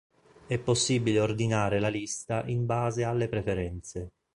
È possibile ordinare la lista in base alle preferenze.